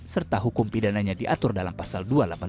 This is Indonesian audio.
serta hukum pidananya diatur dalam pasal dua ratus delapan puluh